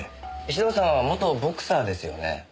石堂さんは元ボクサーですよね？